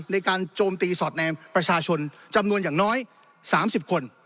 โจมตีสอดแนมประชาชนจำนวนอย่างน้อย๓๐คน